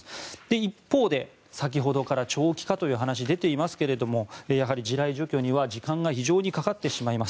一方で先ほどから長期化という話が出ていますがやはり地雷除去には時間が非常にかかってしまいます。